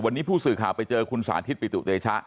วันนี้ผู้สื่อข่าวไปเจอคุณสาธิตปิตุเตชะ